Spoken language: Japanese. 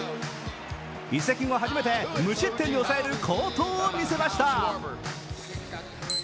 移籍後初めて無失点に抑える好投を見せました。